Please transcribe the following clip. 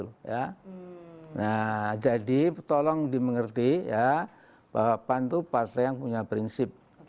nah jadi tolong dimengerti ya bahwa pan itu partai yang punya prinsip